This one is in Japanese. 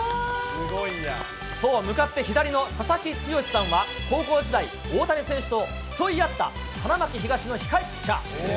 そう、向かって左の佐々木毅さんは、高校時代、大谷選手と競い合った花巻東の控えピッチャー。